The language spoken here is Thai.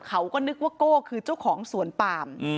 เขาก็นึกว่าโก้คือเจ้าของสวนปาม